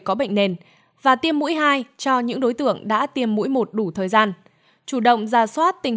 có bệnh nền và tiêm mũi hai cho những đối tượng đã tiêm mũi một đủ thời gian chủ động ra soát tình